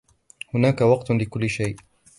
هناك وقت لكل شيء.